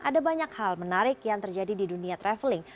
ada banyak hal menarik yang terjadi di dunia traveling